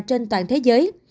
trên toàn thế giới